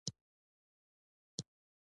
د مخنیوي هڅه یې کوي.